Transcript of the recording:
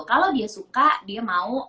kalau dia suka dia mau